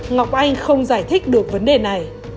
ngọc anh không giải thích được vấn đề này